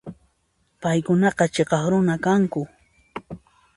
Paykunaqa chhiqaq runa kanku.